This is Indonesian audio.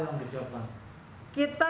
membantu betul pak karena semua kena semua lah